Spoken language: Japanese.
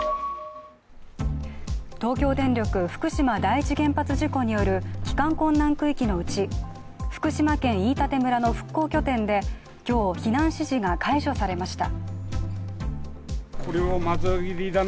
東京電力・福島第一原発事故による帰還困難区域のうち福島県飯舘村の復興拠点で今日、避難指示が解除されました。